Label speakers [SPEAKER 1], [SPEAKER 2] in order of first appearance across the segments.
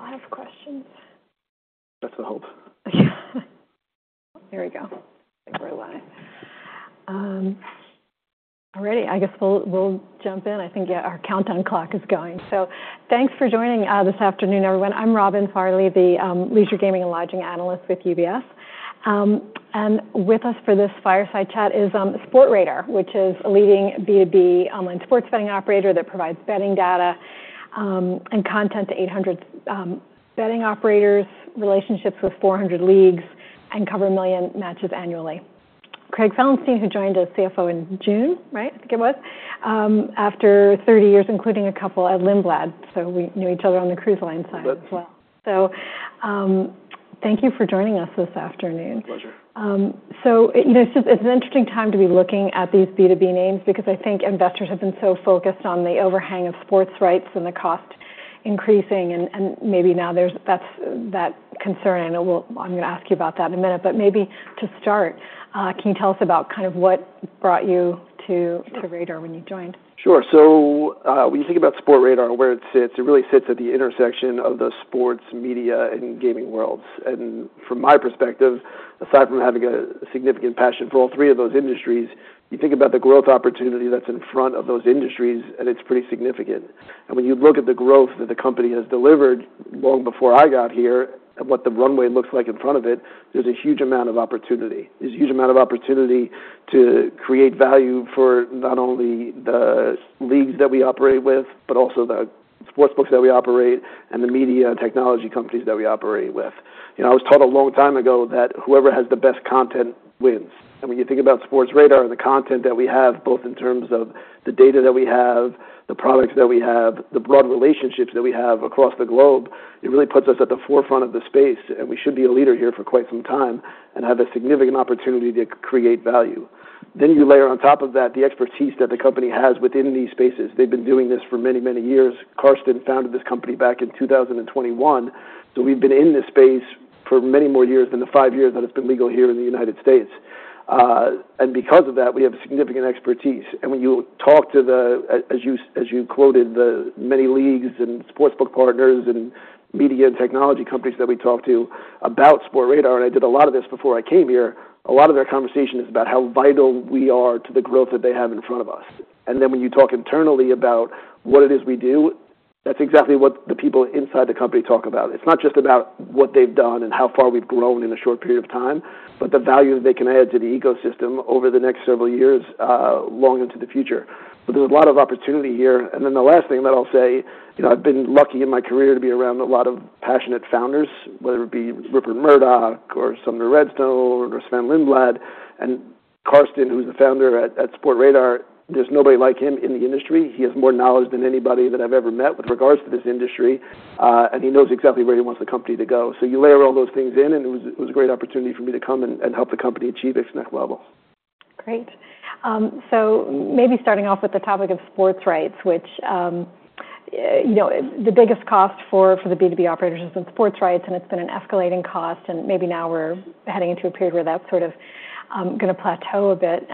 [SPEAKER 1] Very well. Have questions?
[SPEAKER 2] That's what I hope.
[SPEAKER 1] Okay. There we go. Thank you for allowing us. All righty. I guess we'll jump in. I think our countdown clock is going, so thanks for joining this afternoon, everyone. I'm Robin Farley, the Leisure Gaming and Lodging Analyst with UBS, and with us for this Fireside Chat is Sportradar, which is a leading B2B online sports betting operator that provides betting data and content to 800 betting operators, relationships with 400 leagues, and covers a million matches annually. Craig Felenstein, who joined as CFO in June, right? I think it was, after 30 years including a couple at Lindblad. So we knew each other on the Cruise Line side as well, so thank you for joining us this afternoon.
[SPEAKER 2] Pleasure.
[SPEAKER 1] It's an interesting time to be looking at these B2B names because I think investors have been so focused on the overhang of sports rights and the cost increasing. And maybe now that's that concern. And I'm going to ask you about that in a minute. But maybe to start, can you tell us about kind of what brought you to Sportradar when you joined?
[SPEAKER 2] Sure. So when you think about Sportradar and where it sits, it really sits at the intersection of the sports, media, and gaming worlds. And from my perspective, aside from having a significant passion for all three of those industries, you think about the growth opportunity that's in front of those industries, and it's pretty significant. And when you look at the growth that the company has delivered long before I got here and what the runway looks like in front of it, there's a huge amount of opportunity. There's a huge amount of opportunity to create value for not only the leagues that we operate with, but also the sportsbooks that we operate and the media and technology companies that we operate with. I was taught a long time ago that whoever has the best content wins. When you think about Sportradar and the content that we have, both in terms of the data that we have, the products that we have, the broad relationships that we have across the globe, it really puts us at the forefront of the space. We should be a leader here for quite some time and have a significant opportunity to create value. You layer on top of that the expertise that the company has within these spaces. They've been doing this for many, many years. Carsten founded this company back in 2021. So we've been in this space for many more years than the five years that it's been legal here in the United States. Because of that, we have significant expertise. When you talk to the, as you quoted, the many leagues and sportsbook partners and media and technology companies that we talk to about Sportradar, and I did a lot of this before I came here, a lot of their conversation is about how vital we are to the growth that they have in front of us. And then when you talk internally about what it is we do, that's exactly what the people inside the company talk about. It's not just about what they've done and how far we've grown in a short period of time, but the value that they can add to the ecosystem over the next several years long into the future. But there's a lot of opportunity here. And then the last thing that I'll say, I've been lucky in my career to be around a lot of passionate founders, whether it be Rupert Murdoch or Sumner Redstone or Sven Lindblad and Carsten, who's the founder at Sportradar. There's nobody like him in the industry. He has more knowledge than anybody that I've ever met with regards to this industry. And he knows exactly where he wants the company to go. So you layer all those things in, and it was a great opportunity for me to come and help the company achieve its next level.
[SPEAKER 1] Great. So maybe starting off with the topic of sports rights, which the biggest cost for the B2B operators has been sports rights, and it's been an escalating cost. And maybe now we're heading into a period where that's sort of going to plateau a bit.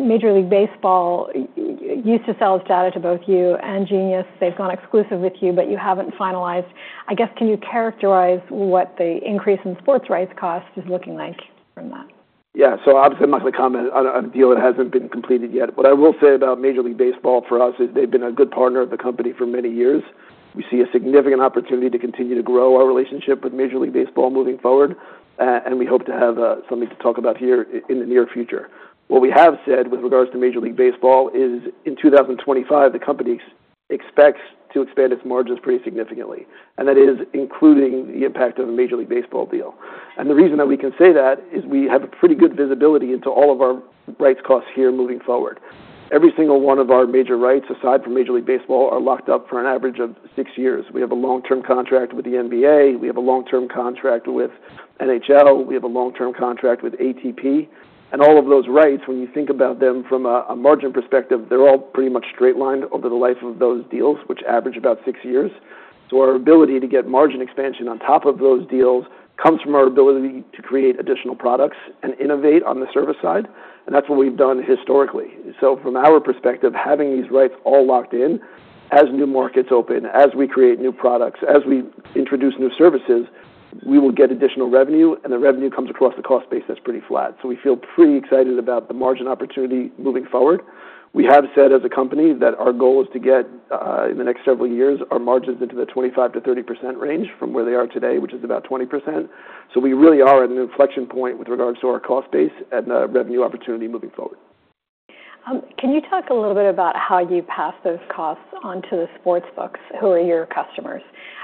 [SPEAKER 1] Major League Baseball used to sell its data to both you and Genius. They've gone exclusive with you, but you haven't finalized. I guess can you characterize what the increase in sports rights cost is looking like from that?
[SPEAKER 2] Yeah. So obviously, I'm not going to comment on a deal that hasn't been completed yet. What I will say about Major League Baseball for us is they've been a good partner of the company for many years. We see a significant opportunity to continue to grow our relationship with Major League Baseball moving forward. And we hope to have something to talk about here in the near future. What we have said with regards to Major League Baseball is in 2025, the company expects to expand its margins pretty significantly. And that is including the impact of a Major League Baseball deal. And the reason that we can say that is we have a pretty good visibility into all of our rights costs here moving forward. Every single one of our major rights, aside from Major League Baseball, are locked up for an average of six years. We have a long-term contract with the NBA. We have a long-term contract with NHL. We have a long-term contract with ATP. And all of those rights, when you think about them from a margin perspective, they're all pretty much straight-lined over the life of those deals, which average about six years. So our ability to get margin expansion on top of those deals comes from our ability to create additional products and innovate on the service side. And that's what we've done historically. So from our perspective, having these rights all locked in as new markets open, as we create new products, as we introduce new services, we will get additional revenue. And the revenue comes across the cost base that's pretty flat. So we feel pretty excited about the margin opportunity moving forward. We have said as a company that our goal is to get, in the next several years, our margins into the 25%-30% range from where they are today, which is about 20%. So we really are at an inflection point with regards to our cost base and the revenue opportunity moving forward.
[SPEAKER 1] Can you talk a little bit about how you pass those costs on to the sportsbooks who are your customers?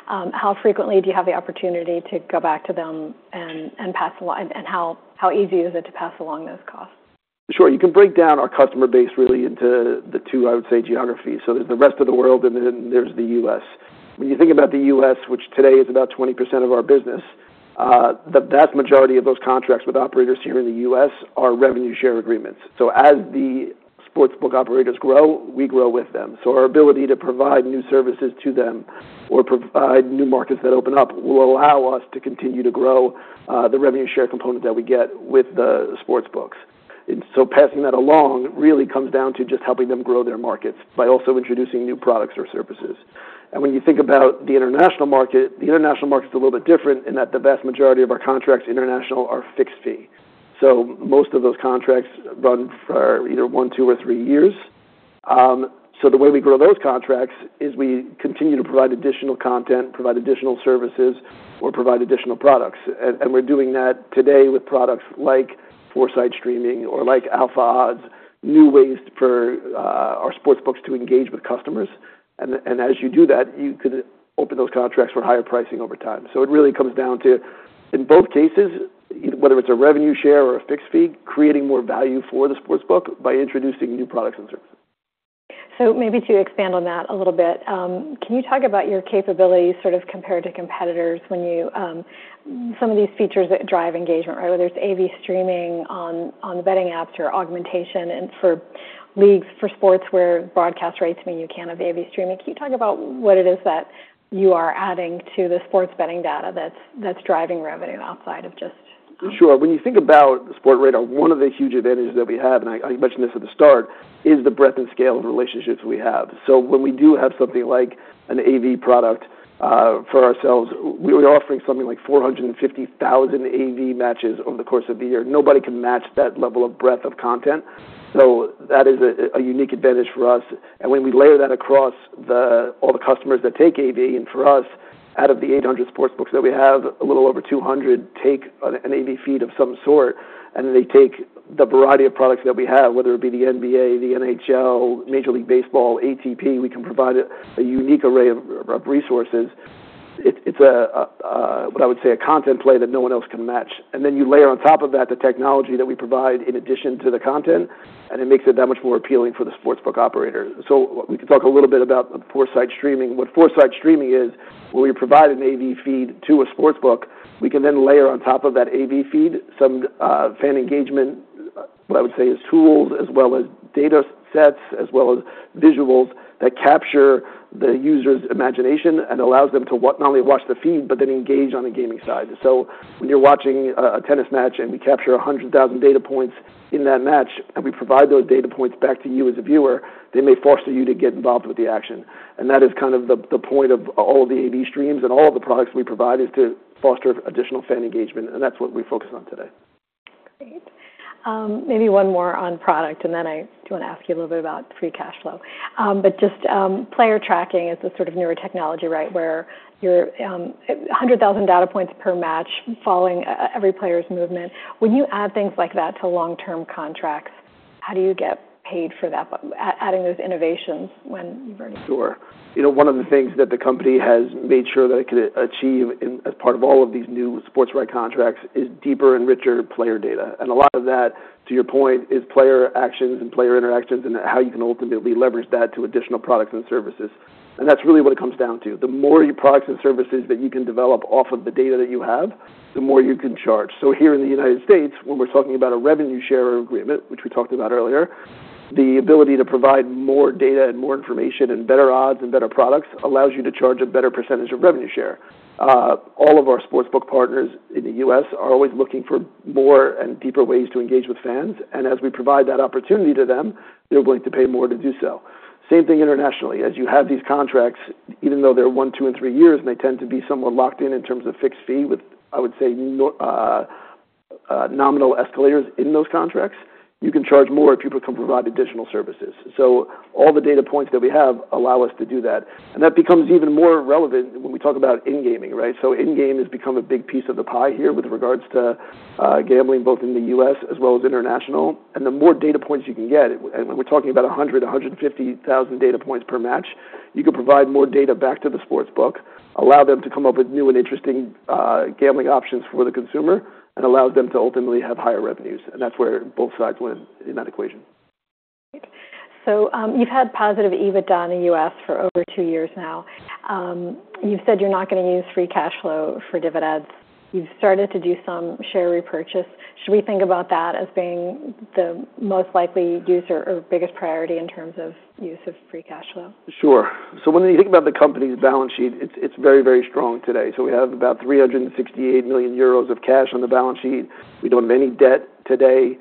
[SPEAKER 1] How frequently do you have the opportunity to go back to them and pass along? And how easy is it to pass along those costs?
[SPEAKER 2] Sure. You can break down our customer base really into the two, I would say, geographies. So there's the rest of the world, and then there's the U.S. When you think about the U.S., which today is about 20% of our business, the vast majority of those contracts with operators here in the U.S. are revenue share agreements. So as the sports book operators grow, we grow with them. So our ability to provide new services to them or provide new markets that open up will allow us to continue to grow the revenue share component that we get with the sportsbooks. And so passing that along really comes down to just helping them grow their markets by also introducing new products or services. When you think about the international market, the international market's a little bit different in that the vast majority of our contracts international are fixed fee. Most of those contracts run for either one, two, or three years. The way we grow those contracts is we continue to provide additional content, provide additional services, or provide additional products. We're doing that today with products like 4Sight Streaming or like Alpha Odds, new ways for our sportsbooks to engage with customers. As you do that, you could open those contracts for higher pricing over time. It really comes down to, in both cases, whether it's a revenue share or a fixed fee, creating more value for the sportsbook by introducing new products and services.
[SPEAKER 1] So maybe to expand on that a little bit, can you talk about your capabilities sort of compared to competitors when using some of these features that drive engagement, right? Whether it's AV streaming on the betting apps or augmentation for leagues for sports where broadcast rights mean you can't have AV streaming. Can you talk about what it is that you are adding to the sports betting data that's driving revenue outside of just?
[SPEAKER 2] Sure. When you think about Sportradar, one of the huge advantages that we have, and I mentioned this at the start, is the breadth and scale of relationships we have. So when we do have something like an AV product for ourselves, we are offering something like 450,000 AV matches over the course of the year. Nobody can match that level of breadth of content. So that is a unique advantage for us. And when we layer that across all the customers that take AV, and for us, out of the 800 sportsbooks that we have, a little over 200 take an AV feed of some sort. And then they take the variety of products that we have, whether it be the NBA, the NHL, Major League Baseball, ATP. We can provide a unique array of resources. It's what I would say a content play that no one else can match. And then you layer on top of that the technology that we provide in addition to the content, and it makes it that much more appealing for the sports book operator. So we can talk a little bit about 4Sight Streaming. What Foresight Streaming is, when we provide an AV feed to a sports book, we can then layer on top of that AV feed some fan engagement, what I would say is tools, as well as data sets, as well as visuals that capture the user's imagination and allows them to not only watch the feed, but then engage on the gaming side. So when you're watching a tennis match and we capture 100,000 data points in that match, and we provide those data points back to you as a viewer, they may foster you to get involved with the action. And that is kind of the point of all of the AV streams and all of the products we provide is to foster additional fan engagement. And that's what we focus on today.
[SPEAKER 1] Great. Maybe one more on product. And then I do want to ask you a little bit about free cash flow. But just player tracking is the sort of newer technology, right, where you're 100,000 data points per match following every player's movement. When you add things like that to long-term contracts, how do you get paid for that, adding those innovations when you've already?
[SPEAKER 2] Sure. One of the things that the company has made sure that it could achieve as part of all of these new sports rights contracts is deeper and richer player data, and a lot of that, to your point, is player actions and player interactions and how you can ultimately leverage that to additional products and services, and that's really what it comes down to. The more products and services that you can develop off of the data that you have, the more you can charge, so here in the United States, when we're talking about a revenue share agreement, which we talked about earlier, the ability to provide more data and more information and better odds and better products allows you to charge a better percentage of revenue share. All of our sportsbook partners in the U.S. are always looking for more and deeper ways to engage with fans, and as we provide that opportunity to them, they're willing to pay more to do so. The same thing internationally. As you have these contracts, even though they're one, two, and three years, and they tend to be somewhat locked in in terms of fixed fee with, I would say, nominal escalators in those contracts, you can charge more if you can provide additional services, so all the data points that we have allow us to do that, and that becomes even more relevant when we talk about in-game, right? In-game has become a big piece of the pie here with regards to gambling both in the U.S. as well as internationally. The more data points you can get, and we're talking about 100,000-150,000 data points per match, you can provide more data back to the sportsbook, allow them to come up with new and interesting gambling options for the consumer, and allows them to ultimately have higher revenues. That's where both sides win in that equation.
[SPEAKER 1] Great. So you've had positive EBITDA in the U.S. for over two years now. You've said you're not going to use free cash flow for dividends. You've started to do some share repurchase. Should we think about that as being the most likely user or biggest priority in terms of use of free cash flow?
[SPEAKER 2] Sure. So when you think about the company's balance sheet, it's very, very strong today. So we have about 368 million euros of cash on the balance sheet. We don't have any debt today.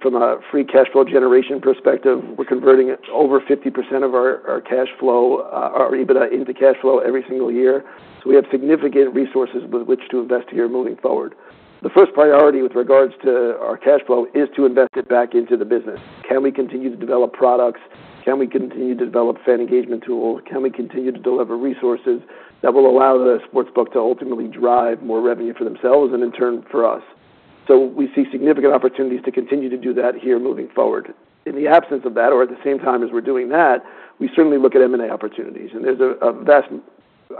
[SPEAKER 2] From a free cash flow generation perspective, we're converting over 50% of our cash flow, our EBITDA, into cash flow every single year. So we have significant resources with which to invest here moving forward. The first priority with regards to our cash flow is to invest it back into the business. Can we continue to develop products? Can we continue to develop fan engagement tools? Can we continue to deliver resources that will allow the sports book to ultimately drive more revenue for themselves and in turn for us? So we see significant opportunities to continue to do that here moving forward. In the absence of that, or at the same time as we're doing that, we certainly look at M&A opportunities. And there's a vast,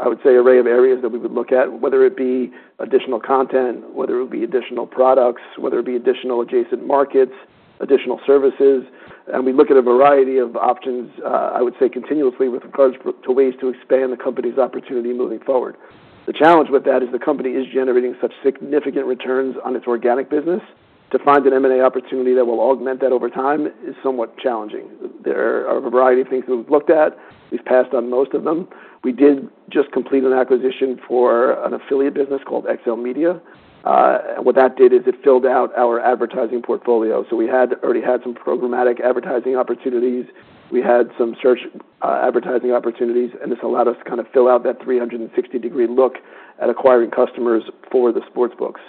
[SPEAKER 2] I would say, array of areas that we would look at, whether it be additional content, whether it be additional products, whether it be additional adjacent markets, additional services. And we look at a variety of options, I would say, continuously with regards to ways to expand the company's opportunity moving forward. The challenge with that is the company is generating such significant returns on its organic business. To find an M&A opportunity that will augment that over time is somewhat challenging. There are a variety of things that we've looked at. We've passed on most of them. We did just complete an acquisition for an affiliate business called XLMedia. What that did is it filled out our advertising portfolio. So we had already had some programmatic advertising opportunities. We had some search advertising opportunities, and this allowed us to kind of fill out that 360-degree look at acquiring customers for the sportsbooks,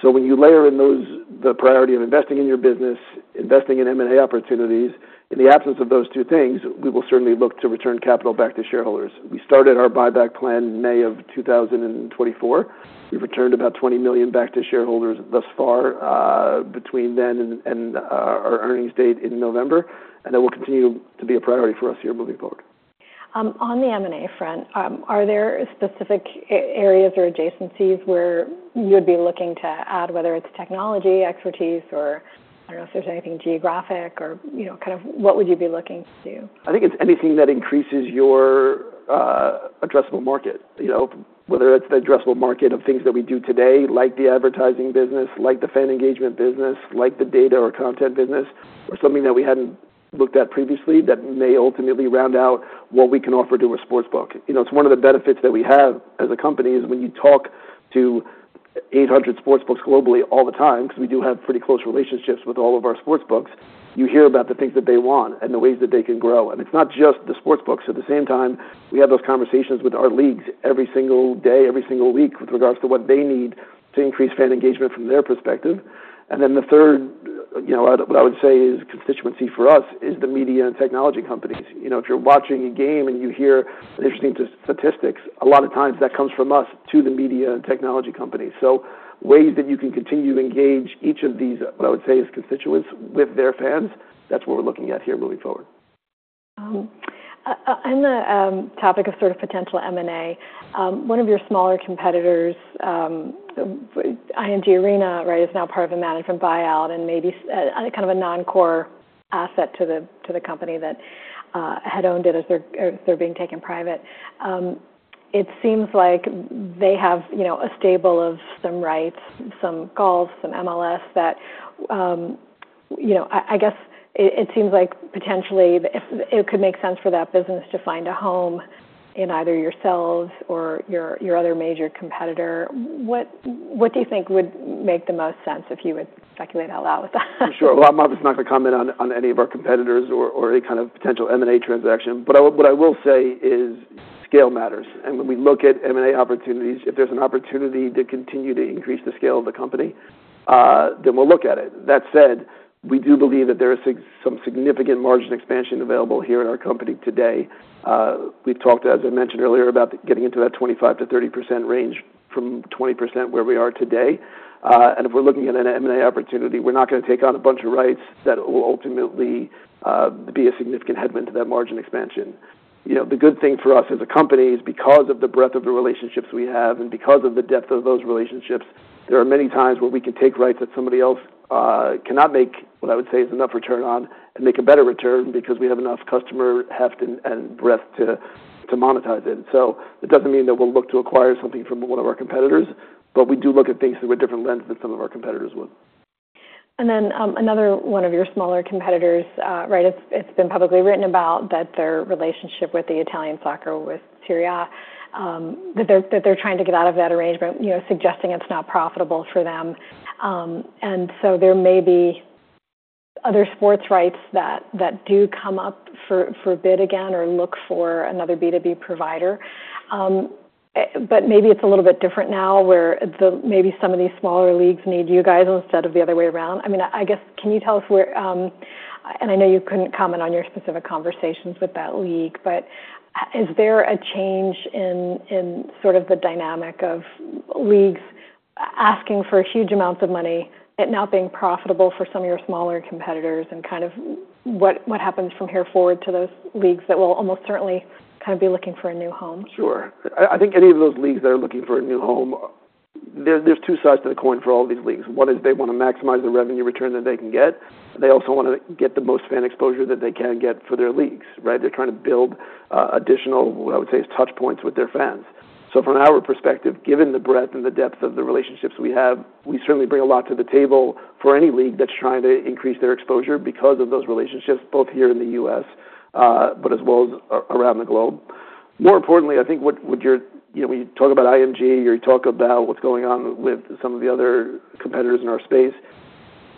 [SPEAKER 2] so when you layer in the priority of investing in your business, investing in M&A opportunities, in the absence of those two things, we will certainly look to return capital back to shareholders. We started our buyback plan in May of 2024. We've returned about 20 million back to shareholders thus far between then and our earnings date in November, and that will continue to be a priority for us here moving forward.
[SPEAKER 1] On the M&A front, are there specific areas or adjacencies where you'd be looking to add, whether it's technology, expertise, or I don't know if there's anything geographic, or kind of what would you be looking to do?
[SPEAKER 2] I think it's anything that increases your addressable market, whether it's the addressable market of things that we do today, like the advertising business, like the fan engagement business, like the data or content business, or something that we hadn't looked at previously that may ultimately round out what we can offer to a sports book. It's one of the benefits that we have as a company is when you talk to 800 sportsbooks globally all the time, because we do have pretty close relationships with all of our sportsbooks, you hear about the things that they want and the ways that they can grow, and it's not just the sportsbooks. At the same time, we have those conversations with our leagues every single day, every single week with regards to what they need to increase fan engagement from their perspective. And then the third, what I would say is constituency for us is the media and technology companies. If you're watching a game and you hear interesting statistics, a lot of times that comes from us to the media and technology companies. So ways that you can continue to engage each of these, what I would say is constituents with their fans, that's what we're looking at here moving forward.
[SPEAKER 1] On the topic of sort of potential M&A, one of your smaller competitors, IMG Arena, right, is now part of a management buyout and maybe kind of a non-core asset to the company that had owned it as they're being taken private. It seems like they have a stable of some rights, some golf, some MLS that I guess it seems like potentially it could make sense for that business to find a home in either yourselves or your other major competitor. What do you think would make the most sense if you would speculate out loud with that?
[SPEAKER 2] Sure. Well, I'm obviously not going to comment on any of our competitors or any kind of potential M&A transaction. But what I will say is scale matters. And when we look at M&A opportunities, if there's an opportunity to continue to increase the scale of the company, then we'll look at it. That said, we do believe that there is some significant margin expansion available here at our company today. We've talked, as I mentioned earlier, about getting into that 25%-30% range from 20% where we are today. And if we're looking at an M&A opportunity, we're not going to take on a bunch of rights that will ultimately be a significant headwind to that margin expansion. The good thing for us as a company is because of the breadth of the relationships we have and because of the depth of those relationships, there are many times where we can take rights that somebody else cannot make, what I would say is enough return on, and make a better return because we have enough customer heft and breadth to monetize it. So it doesn't mean that we'll look to acquire something from one of our competitors, but we do look at things through a different lens than some of our competitors would.
[SPEAKER 1] And then another one of your smaller competitors, right, it's been publicly written about that their relationship with the Italian soccer Serie A, that they're trying to get out of that arrangement, suggesting it's not profitable for them. And so there may be other sports rights that do come up for bid again or look for another B2B provider. But maybe it's a little bit different now where maybe some of these smaller leagues need you guys instead of the other way around. I mean, I guess, can you tell us where and I know you couldn't comment on your specific conversations with that league, but is there a change in sort of the dynamic of leagues asking for huge amounts of money and now being profitable for some of your smaller competitors? Kind of what happens from here forward to those leagues that will almost certainly kind of be looking for a new home?
[SPEAKER 2] Sure. I think any of those leagues that are looking for a new home, there's two sides to the coin for all these leagues. One is they want to maximize the revenue return that they can get. They also want to get the most fan exposure that they can get for their leagues, right? They're trying to build additional, what I would say is touch points with their fans. So from our perspective, given the breadth and the depth of the relationships we have, we certainly bring a lot to the table for any league that's trying to increase their exposure because of those relationships, both here in the U.S., but as well as around the globe. More importantly, I think when you talk about IMG or you talk about what's going on with some of the other competitors in our space,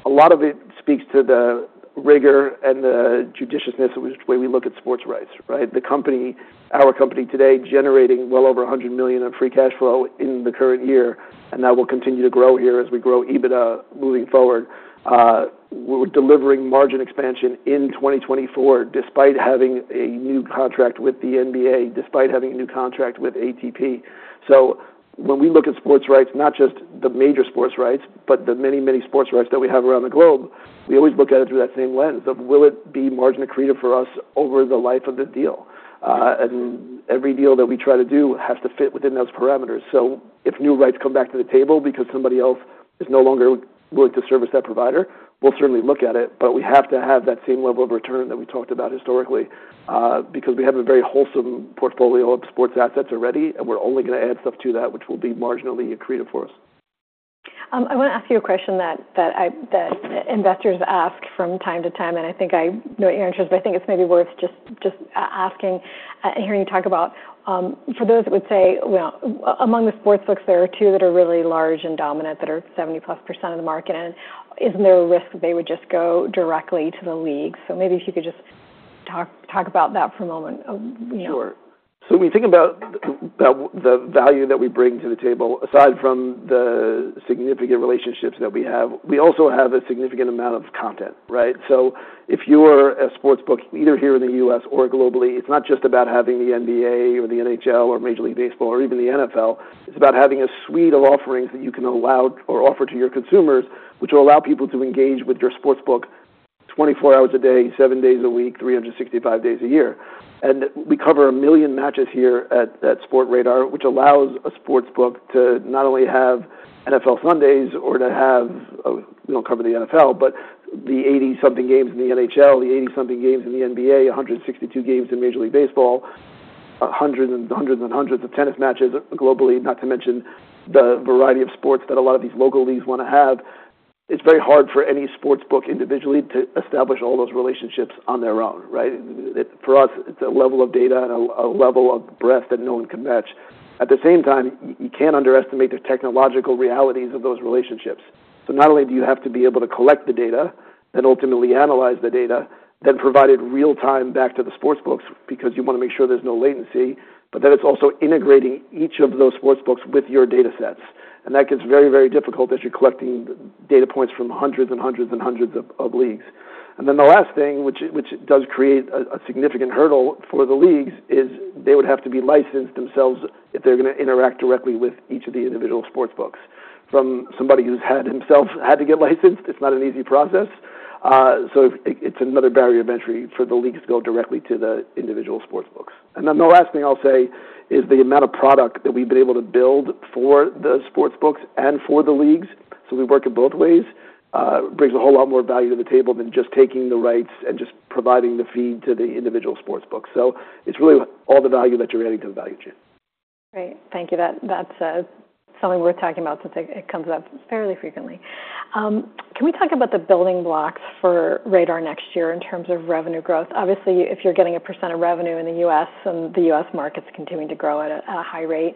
[SPEAKER 2] a lot of it speaks to the rigor and the judiciousness in which way we look at sports rights, right? The company, our company today, generating well over 100 million in free cash flow in the current year, and that will continue to grow here as we grow EBITDA moving forward. We're delivering margin expansion in 2024 despite having a new contract with the NBA, despite having a new contract with ATP. When we look at sports rights, not just the major sports rights, but the many, many sports rights that we have around the globe, we always look at it through that same lens of will it be margin accretive for us over the life of the deal. Every deal that we try to do has to fit within those parameters. If new rights come back to the table because somebody else is no longer willing to service that provider, we'll certainly look at it. We have to have that same level of return that we talked about historically because we have a very wholesome portfolio of sports assets already, and we're only going to add stuff to that, which will be marginally accretive for us.
[SPEAKER 1] I want to ask you a question that investors ask from time to time, and I think I know your interest, but I think it's maybe worth just asking and hearing you talk about. For those that would say, among the sportsbooks, there are two that are really large and dominant that are 70%+ of the market, and isn't there a risk they would just go directly to the league? So maybe if you could just talk about that for a moment.
[SPEAKER 2] Sure. So when you think about the value that we bring to the table, aside from the significant relationships that we have, we also have a significant amount of content, right? So if you're a sportsbook either here in the U.S. or globally, it's not just about having the NBA or the NHL or Major League Baseball or even the NFL. It's about having a suite of offerings that you can allow or offer to your consumers, which will allow people to engage with your sportsbook 24 hours a day, seven days a week, 365 days a year. We cover a million matches here at Sportradar, which allows a sports book to not only have NFL Sundays or to have, we don't cover the NFL, but the 80-something games in the NHL, the 80-something games in the NBA, 162 games in Major League Baseball, hundreds and hundreds of tennis matches globally, not to mention the variety of sports that a lot of these local leagues want to have. It's very hard for any sports book individually to establish all those relationships on their own, right? For us, it's a level of data and a level of breadth that no one can match. At the same time, you can't underestimate the technological realities of those relationships. So not only do you have to be able to collect the data, then ultimately analyze the data, then provide it real-time back to the sportsbooks because you want to make sure there's no latency, but then it's also integrating each of those sportsbooks with your data sets. And that gets very, very difficult as you're collecting data points from hundreds and hundreds and hundreds of leagues. And then the last thing, which does create a significant hurdle for the leagues, is they would have to be licensed themselves if they're going to interact directly with each of the individual sportsbooks. From somebody who's had to get licensed himself, it's not an easy process. So it's another barrier of entry for the leagues to go directly to the individual sportsbooks. And then the last thing I'll say is the amount of product that we've been able to build for the sportsbooks and for the leagues. So we work in both ways. It brings a whole lot more value to the table than just taking the rights and just providing the feed to the individual sportsbooks. So it's really all the value that you're adding to the value chain.
[SPEAKER 1] Great. Thank you. That's something we're talking about since it comes up fairly frequently. Can we talk about the building blocks for Sportradar next year in terms of revenue growth? Obviously, if you're getting a percent of revenue in the U.S. and the U.S. market's continuing to grow at a high rate,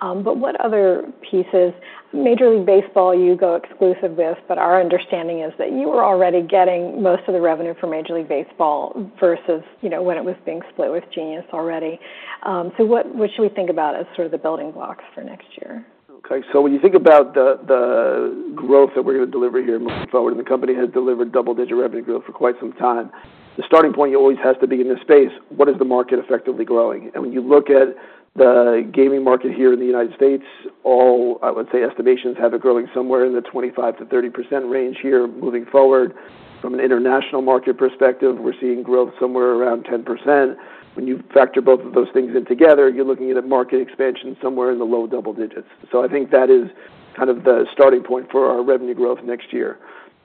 [SPEAKER 1] but what other pieces? Major League Baseball, you go exclusive with, but our understanding is that you were already getting most of the revenue for Major League Baseball versus when it was being split with Genius already. So what should we think about as sort of the building blocks for next year?
[SPEAKER 2] Okay. So when you think about the growth that we're going to deliver here moving forward, and the company has delivered double-digit revenue growth for quite some time, the starting point always has to be in this space. What is the market effectively growing? And when you look at the gaming market here in the United States, all, I would say, estimations have it growing somewhere in the 25%-30% range here moving forward. From an international market perspective, we're seeing growth somewhere around 10%. When you factor both of those things in together, you're looking at a market expansion somewhere in the low double digits. So I think that is kind of the starting point for our revenue growth next year.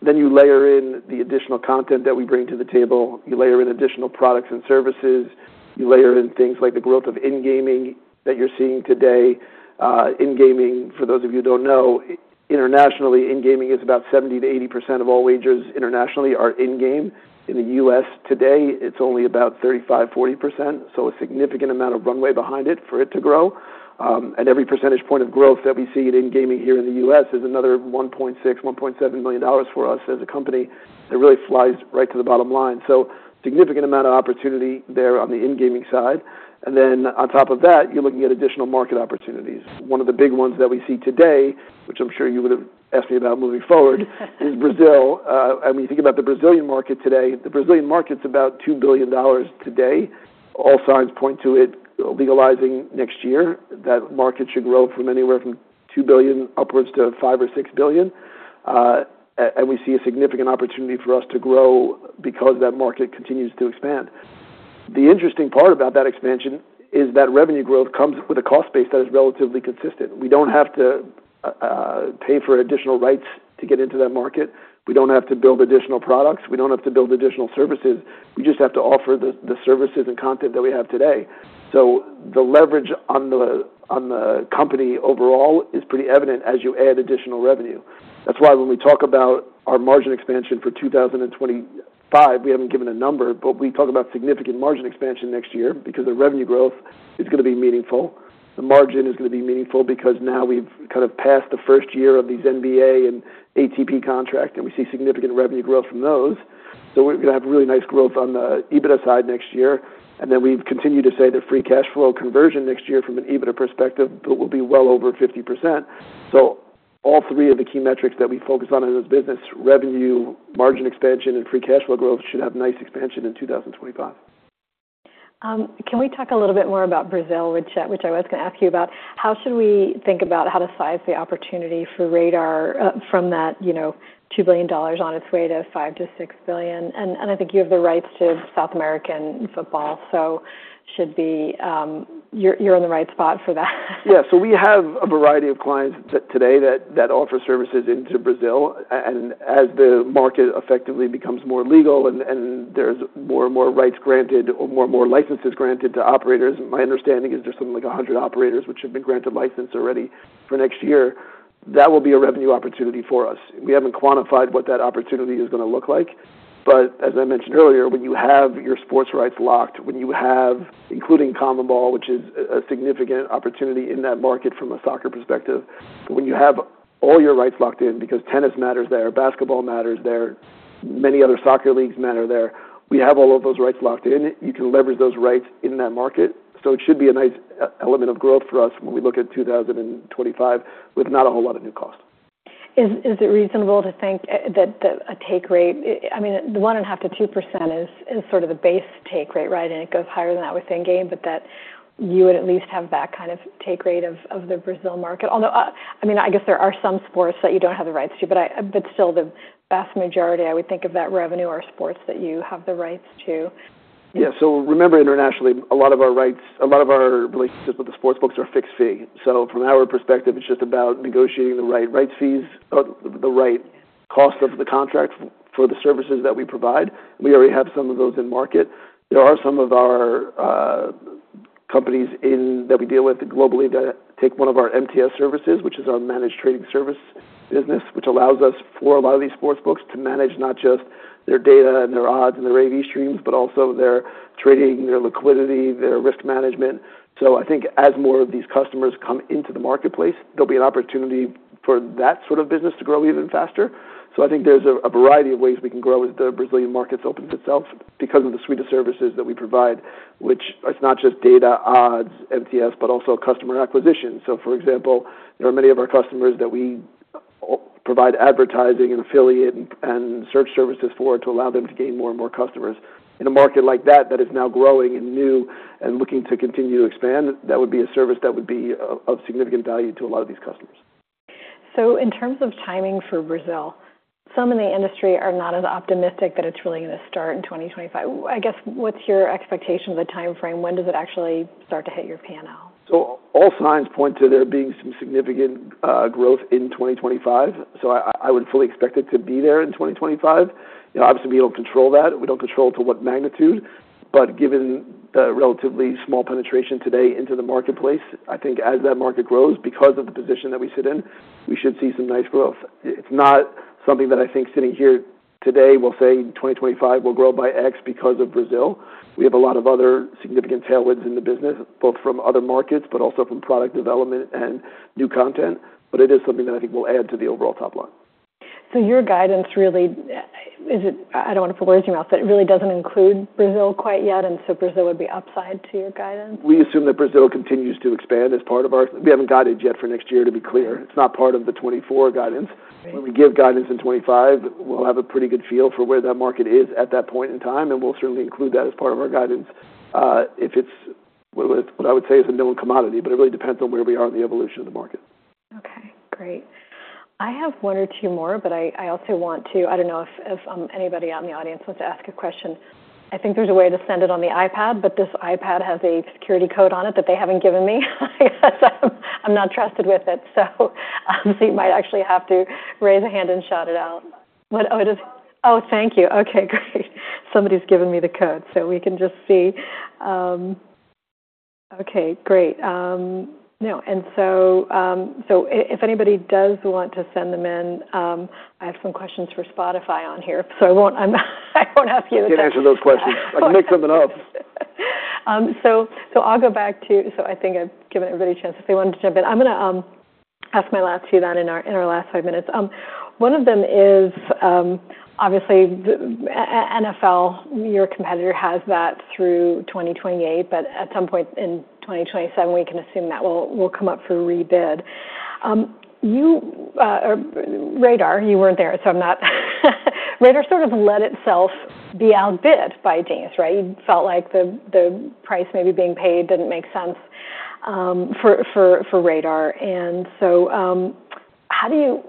[SPEAKER 2] Then you layer in the additional content that we bring to the table. You layer in additional products and services. You layer in things like the growth of in-game that you're seeing today. In-game, for those of you who don't know, internationally, in-game is about 70%-80% of all wagers internationally are in-game. In the U.S. today, it's only about 35%-40%. So a significant amount of runway behind it for it to grow. And every percentage point of growth that we see in in-game here in the US is another $1.6-$1.7 million for us as a company. It really flies right to the bottom line. So significant amount of opportunity there on the in-game side. And then on top of that, you're looking at additional market opportunities. One of the big ones that we see today, which I'm sure you would have asked me about moving forward, is Brazil. When you think about the Brazilian market today, the Brazilian market's about $2 billion today. All signs point to it legalizing next year. That market should grow from anywhere from $2 billion upwards to $5-$6 billion. We see a significant opportunity for us to grow because that market continues to expand. The interesting part about that expansion is that revenue growth comes with a cost base that is relatively consistent. We don't have to pay for additional rights to get into that market. We don't have to build additional products. We don't have to build additional services. We just have to offer the services and content that we have today. The leverage on the company overall is pretty evident as you add additional revenue. That's why when we talk about our margin expansion for 2025, we haven't given a number, but we talk about significant margin expansion next year because the revenue growth is going to be meaningful. The margin is going to be meaningful because now we've kind of passed the first year of these NBA and ATP contracts, and we see significant revenue growth from those. So we're going to have really nice growth on the EBITDA side next year. And then we've continued to say the free cash flow conversion next year from an EBITDA perspective, but we'll be well over 50%. So all three of the key metrics that we focus on in this business, revenue, margin expansion, and free cash flow growth should have nice expansion in 2025.
[SPEAKER 1] Can we talk a little bit more about Brazil, which I was going to ask you about? How should we think about how to size the opportunity for Sportradar from that $2 billion on its way to $5-$6 billion? And I think you have the rights to South American football, so should be you're in the right spot for that.
[SPEAKER 2] Yeah. So we have a variety of clients today that offer services into Brazil, and as the market effectively becomes more legal and there's more and more rights granted or more and more licenses granted to operators, my understanding is there's something like 100 operators which have been granted license already for next year. That will be a revenue opportunity for us. We haven't quantified what that opportunity is going to look like, but as I mentioned earlier, when you have your sports rights locked, when you have, including CONMEBOL, which is a significant opportunity in that market from a soccer perspective, when you have all your rights locked in because tennis matters there, basketball matters there, many other soccer leagues matter there, we have all of those rights locked in, you can leverage those rights in that market. So it should be a nice element of growth for us when we look at 2025 with not a whole lot of new costs.
[SPEAKER 1] Is it reasonable to think that a take rate, I mean, the 1.5%-2% is sort of the base take rate, right? And it goes higher than that with in-game, but that you would at least have that kind of take rate of the Brazil market. Although, I mean, I guess there are some sports that you don't have the rights to, but still the vast majority, I would think of that revenue are sports that you have the rights to.
[SPEAKER 2] Yeah. So remember, internationally, a lot of our rights, a lot of our relationships with the sportsbooks are fixed fee. So from our perspective, it's just about negotiating the right rights fees, the right cost of the contract for the services that we provide. We already have some of those in market. There are some of our companies that we deal with globally that take one of our MTS services, which is our managed trading service business, which allows us for a lot of these sportsbooks to manage not just their data and their odds and their AV streams, but also their trading, their liquidity, their risk management. So I think as more of these customers come into the marketplace, there'll be an opportunity for that sort of business to grow even faster. So, I think there's a variety of ways we can grow as the Brazilian market opens itself because of the suite of services that we provide, which is not just data, odds, MTS, but also customer acquisition. So for example, there are many of our customers that we provide advertising and affiliate and search services for to allow them to gain more and more customers. In a market like that, that is now growing and new and looking to continue to expand, that would be a service that would be of significant value to a lot of these customers.
[SPEAKER 1] So in terms of timing for Brazil, some in the industry are not as optimistic that it's really going to start in 2025. I guess what's your expectation of the timeframe? When does it actually start to hit your P&L?
[SPEAKER 2] So all signs point to there being some significant growth in 2025, so I would fully expect it to be there in 2025. Obviously, we don't control that. We don't control to what magnitude, but given the relatively small penetration today into the marketplace, I think as that market grows, because of the position that we sit in, we should see some nice growth. It's not something that I think sitting here today will say in 2025 we'll grow by X because of Brazil. We have a lot of other significant tailwinds in the business, both from other markets, but also from product development and new content, but it is something that I think will add to the overall top line.
[SPEAKER 1] So your guidance really is it, I don't want to put words in your mouth, but it really doesn't include Brazil quite yet. And so Brazil would be upside to your guidance?
[SPEAKER 2] We assume that Brazil continues to expand as part of our we haven't got it yet for next year, to be clear. It's not part of the 2024 guidance. When we give guidance in 2025, we'll have a pretty good feel for where that market is at that point in time, and we'll certainly include that as part of our guidance. If it's what I would say is a known commodity, but it really depends on where we are in the evolution of the market.
[SPEAKER 1] Okay. Great. I have one or two more, but I also want to. I don't know if anybody out in the audience wants to ask a question. I think there's a way to send it on the iPad, but this iPad has a security code on it that they haven't given me. I guess I'm not trusted with it. So obviously, you might actually have to raise a hand and shout it out. Oh, thank you. Okay. Great. Somebody's given me the code, so we can just see. Okay. Great. No, and so if anybody does want to send them in, I have some questions for Spotify on here. So I won't ask you the questions.
[SPEAKER 2] Can't answer those questions. I can make something up.
[SPEAKER 1] So I'll go back to, so I think I've given everybody a chance. If they wanted to jump in, I'm going to ask my last few, then in our last five minutes. One of them is obviously NFL, your competitor has that through 2028, but at some point in 2027, we can assume that will come up for rebid. Sportradar, you weren't there, so I'm not. Sportradar sort of let itself be outbid by Genius, right? You felt like the price maybe being paid didn't make sense for Sportradar. And so how do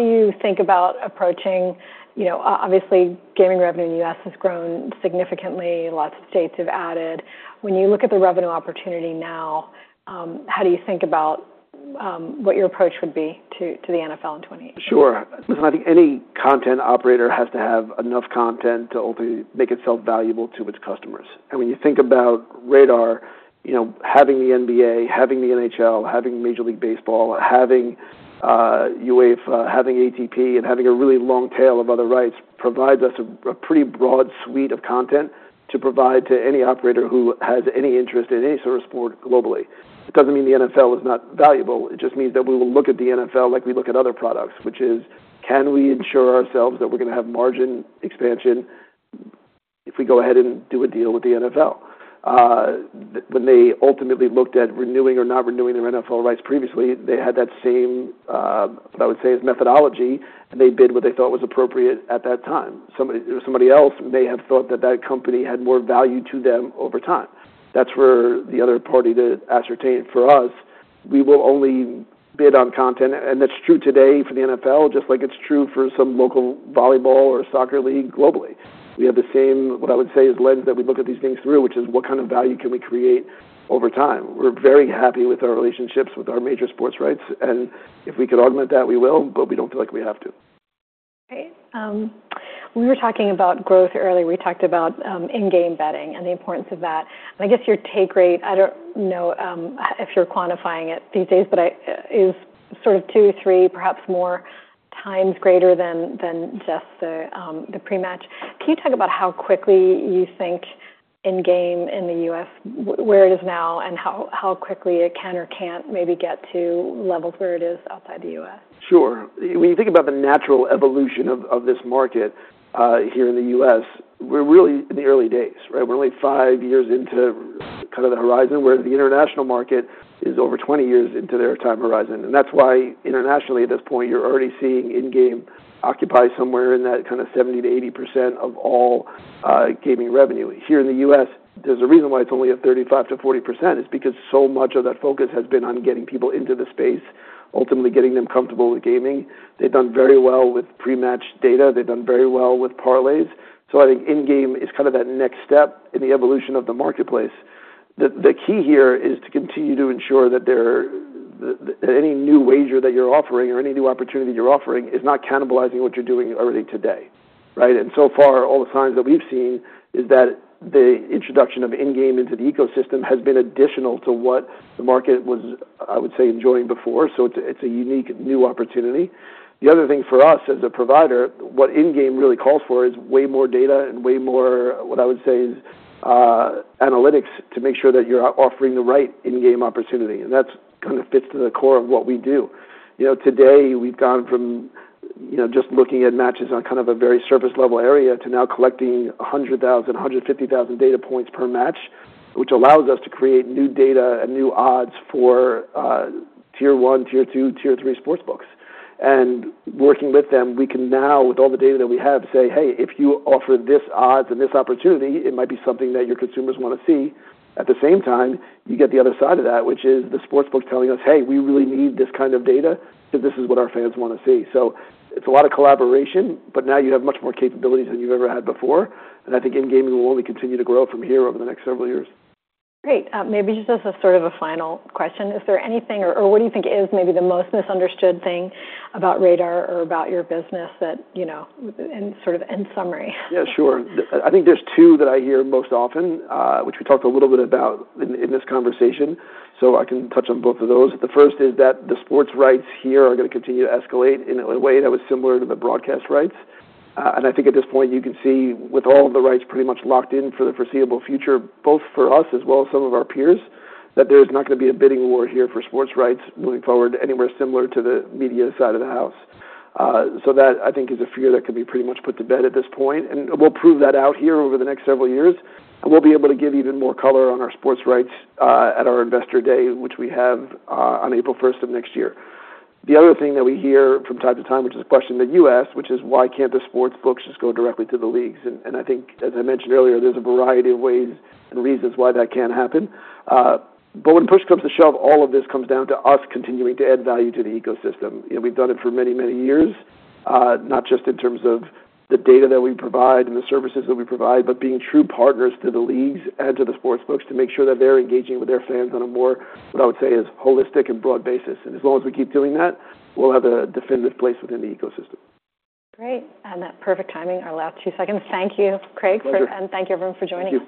[SPEAKER 1] you think about approaching? Obviously, gaming revenue in the U.S. has grown significantly. Lots of states have added. When you look at the revenue opportunity now, how do you think about what your approach would be to the NFL in 2028?
[SPEAKER 2] Sure. Listen, I think any content operator has to have enough content to ultimately make itself valuable to its customers. And when you think about Sportradar, having the NBA, having the NHL, having Major League Baseball, having UEFA, having ATP, and having a really long tail of other rights provides us a pretty broad suite of content to provide to any operator who has any interest in any sort of sport globally. It doesn't mean the NFL is not valuable. It just means that we will look at the NFL like we look at other products, which is, can we ensure ourselves that we're going to have margin expansion if we go ahead and do a deal with the NFL? When they ultimately looked at renewing or not renewing their NFL rights previously, they had that same, what I would say, is methodology, and they bid what they thought was appropriate at that time. Somebody else may have thought that that company had more value to them over time. That's where the other party to ascertain for us. We will only bid on content, and that's true today for the NFL, just like it's true for some local volleyball or soccer league globally. We have the same, what I would say, is lens that we look at these things through, which is what kind of value can we create over time. We're very happy with our relationships with our major sports rights, and if we could augment that, we will, but we don't feel like we have to.
[SPEAKER 1] Okay. We were talking about growth earlier. We talked about in-game betting and the importance of that. And I guess your take rate, I don't know if you're quantifying it these days, but it is sort of two, three, perhaps more times greater than just the pre-match. Can you talk about how quickly you think in-game in the U.S., where it is now, and how quickly it can or can't maybe get to levels where it is outside the U.S.?
[SPEAKER 2] Sure. When you think about the natural evolution of this market here in the U.S., we're really in the early days, right? We're only five years into kind of the horizon where the international market is over 20 years into their time horizon. And that's why internationally, at this point, you're already seeing in-game occupy somewhere in that kind of 70%-80% of all gaming revenue. Here in the U.S., there's a reason why it's only a 35%-40%. It's because so much of that focus has been on getting people into the space, ultimately getting them comfortable with gaming. They've done very well with pre-match data. They've done very well with parlays. So I think in-game is kind of that next step in the evolution of the marketplace. The key here is to continue to ensure that any new wager that you're offering or any new opportunity you're offering is not cannibalizing what you're doing already today, right? And so far, all the signs that we've seen is that the introduction of in-game into the ecosystem has been additional to what the market was, I would say, enjoying before. So it's a unique new opportunity. The other thing for us as a provider, what in-game really calls for is way more data and way more, what I would say, is analytics to make sure that you're offering the right in-game opportunity. And that kind of fits to the core of what we do. Today, we've gone from just looking at matches on kind of a very surface-level area to now collecting 100,000, 150,000 data points per match, which allows us to create new data and new odds for tier one, tier two, tier three sportsbooks, and working with them, we can now, with all the data that we have, say, "Hey, if you offer this odds and this opportunity, it might be something that your consumers want to see." At the same time, you get the other side of that, which is the sports book telling us, "Hey, we really need this kind of data because this is what our fans want to see," so it's a lot of collaboration, but now you have much more capabilities than you've ever had before, and I think in-game will only continue to grow from here over the next several years.
[SPEAKER 1] Great. Maybe just as a sort of a final question, is there anything or what do you think is maybe the most misunderstood thing about Sportradar or about your business that in sort of end summary?
[SPEAKER 2] Yeah, sure. I think there's two that I hear most often, which we talked a little bit about in this conversation. So I can touch on both of those. The first is that the sports rights here are going to continue to escalate in a way that was similar to the broadcast rights. And I think at this point, you can see with all of the rights pretty much locked in for the foreseeable future, both for us as well as some of our peers, that there's not going to be a bidding war here for sports rights moving forward anywhere similar to the media side of the house. So that, I think, is a fear that can be pretty much put to bed at this point. And we'll prove that out here over the next several years. We'll be able to give even more color on our sports rights at our investor day, which we have on April 1st of next year. The other thing that we hear from time to time, which is a question that you asked, which is, "Why can't the sportsbooks just go directly to the leagues?" And I think, as I mentioned earlier, there's a variety of ways and reasons why that can happen. But when push comes to shove, all of this comes down to us continuing to add value to the ecosystem. We've done it for many, many years, not just in terms of the data that we provide and the services that we provide, but being true partners to the leagues and to the sportsbooks to make sure that they're engaging with their fans on a more, what I would say, is holistic and broad basis. As long as we keep doing that, we'll have a definitive place within the ecosystem.
[SPEAKER 1] Great, and that perfect timing, our last two seconds. Thank you, Craig, and thank you, everyone, for joining us.